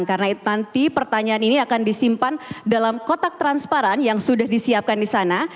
karena nanti pertanyaan ini akan disimpan dalam kotak transparan yang sudah disiapkan disana